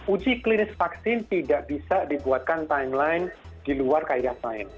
uji klinis vaksin tidak bisa dibuatkan timeline di luar kaya lain